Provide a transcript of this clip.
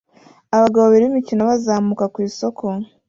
Abagabo babiri b'imikino bazamuka ku isoko